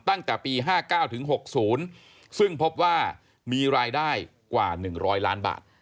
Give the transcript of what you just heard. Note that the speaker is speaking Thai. ตั้งแต่ปี๕๙ถึง๖๐ซึ่งพบว่ามีรายได้กว่า๑๐๐ล้านบาท